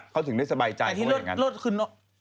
เขาถึงได้สบายใจเพราะว่าอย่างนั้น